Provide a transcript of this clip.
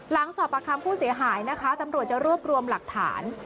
หลังสอบประคัมผู้เสียหายนะคะตำรวจจะรวบรวมหลักฐาน